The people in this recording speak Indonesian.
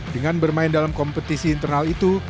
dengan bermain dalam kompetisi internal itu